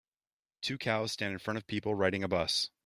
Two cows stand in front of people riding a bus.